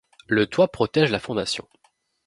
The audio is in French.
le toit protège la fondation